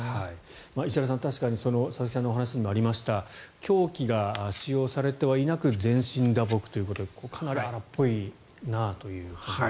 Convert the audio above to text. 石原さん、確かに佐々木さんのお話にもありました凶器が使用されていなくて全身打撲というかなり荒っぽいなという。